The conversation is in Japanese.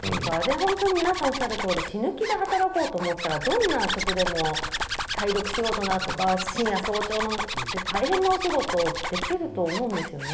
本当に皆さんおっしゃるとおり死ぬ気で働こうと思ったらどんな職でも体力仕事だとか深夜早朝とか大変なお仕事できると思うんですよね。